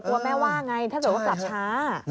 แม่ว่าไงถ้าเกิดว่ากลับช้า